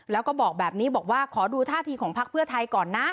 แล้วก็บอกแบบนี้บอกว่าขอดูท่าทีของพักเพื่อไทยก่อนนะ